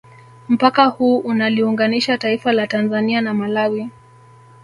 Mpaka huu unaliunganisha taifa la Tanzania na Malawi